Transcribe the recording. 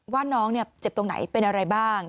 ว่าน้องเจ็บตรงไหนเป็นอะไรบ้าง